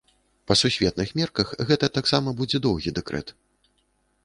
Па сусветных мерках гэта таксама будзе доўгі дэкрэт.